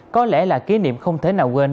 có lẽ là kỷ niệm không thể nào quên